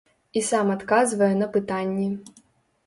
І сам адказвае на пытанні.